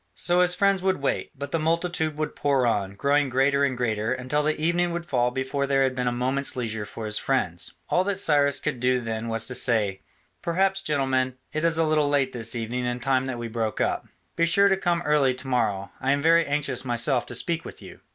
So his friends would wait, but the multitude would pour on, growing greater and greater, until the evening would fall before there had been a moment's leisure for his friends. All that Cyrus could do then was to say, "Perhaps, gentlemen, it is a little late this evening and time that we broke up. Be sure to come early to morrow. I am very anxious myself to speak with you."